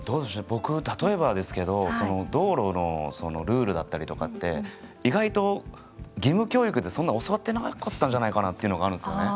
僕例えばですけど道路のルールだったりとかって意外と義務教育でそんな教わってなかったんじゃないかなっていうのがあるんですよね。